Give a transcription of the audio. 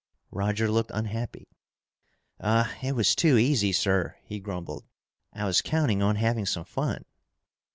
Roger looked unhappy. "Ah, it was too easy, sir," he grumbled. "I was counting on having some fun."